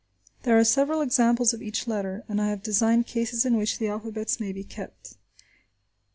There are several examples of each letter, and I have designed cases in which the alphabets may be kept.